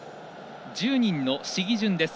１０人の試技順です。